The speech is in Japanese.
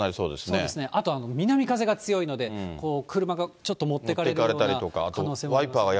そうですね、あと、南風が強いので、車がちょっと持ってかれるような可能性もありますね。